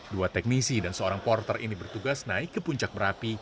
dua teknisi dan seorang porter ini bertugas naik ke puncak merapi